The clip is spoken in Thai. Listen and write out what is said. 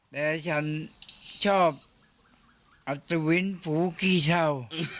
แต่ฉันชอบอัตวินผู้กี้เทา